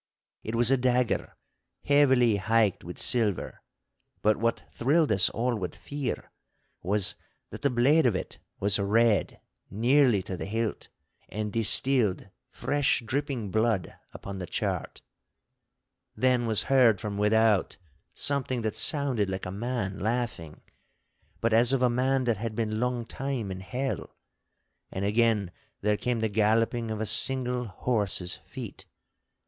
It was a dagger heavily hiked with silver. But what thrilled us all with fear was, that the blade of it was red nearly to the hilt, and distilled fresh dripping blood upon the chart. Then was heard from without something that sounded like a man laughing—but as of a man that had been longtime in hell—and again there came the galloping of a single horse's feet.